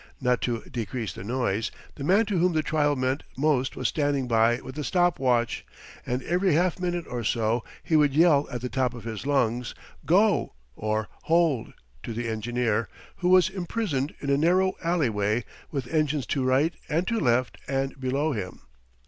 Not to decrease the noise, the man to whom the trial meant most was standing by with a stop watch, and every half minute or so he would yell at the top of his lungs, "Go!" or "Hold!" to the engineer, who was imprisoned in a narrow alleyway with engines to right and to left and below him.